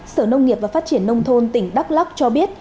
sở nông nghiệp và phát triển nông thôn tỉnh đắk lắc cho biết